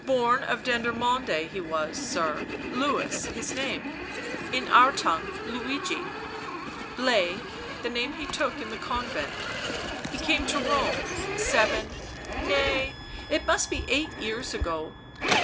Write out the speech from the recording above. " Born of Dendermonde he was, sir, Louis his name, in our tongue Luigi, Blaise the name he took in the convent — he came to Rome, seven, nay, it must be eight years ago.